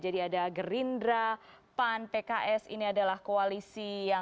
jadi ada gerindra pan pks